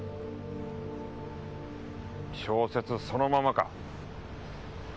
小説そのままか。